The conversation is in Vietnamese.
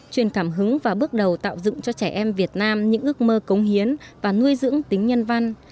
truyền cảm hứng và bước đầu tạo dựng cho trẻ em việt nam những ước mơ cống hiến và nuôi dưỡng tính nhân văn